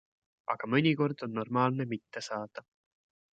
Aga mõnikord on normaalne mitte saada.